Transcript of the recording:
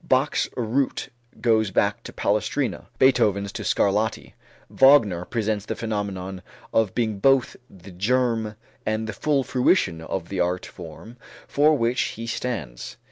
Bach's root goes back to Palestrina, Beethoven's to Scarlatti. Wagner presents the phenomenon of being both the germ and the full fruition of the art form for which he stands.